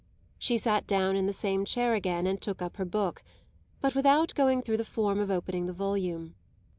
She sat down in the same chair again and took up her book, but without going through the form of opening the volume.